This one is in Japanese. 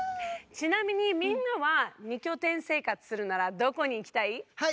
ちなみにみんなは二拠点生活するならどこにいきたい？